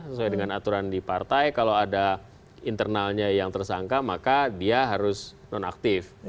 sesuai dengan aturan di partai kalau ada internalnya yang tersangka maka dia harus non aktif